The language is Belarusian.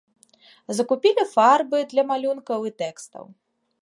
Закупілі фарбы для малюнкаў і тэкстаў.